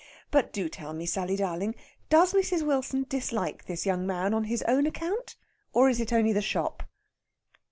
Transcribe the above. But do tell me, Sally darling, does Mrs. Wilson dislike this young man on his own account, or is it only the shop?"